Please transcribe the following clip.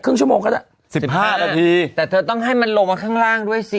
ชั่วโมงก็ได้สิบห้านาทีแต่เธอต้องให้มันลงมาข้างล่างด้วยสิ